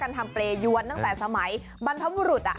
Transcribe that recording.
ทำเปรยวนตั้งแต่สมัยบรรพบุรุษ